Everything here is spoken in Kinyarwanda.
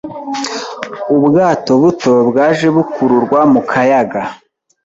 Ubwato buto bwaje bukururwa mu kayaga